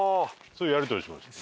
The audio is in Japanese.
そういうやり取りしました。